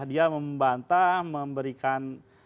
dia membantah memberikan